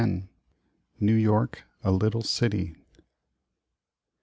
NEW YORK A LITTLE CITY.